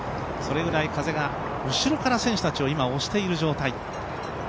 それぐらい風が後ろから選手たちを押している状態。